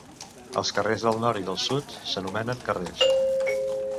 Els carrers del nord i del sud s'anomenen carrers.